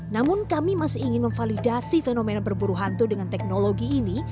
namun kami masih ingin memvalidasi fenomena berburu hantu dengan teknologi ini